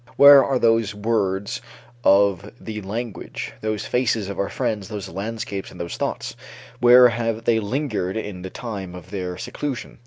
Where are those words of the language, those faces of our friends, those landscapes, and those thoughts; where have they lingered in the time of their seclusion?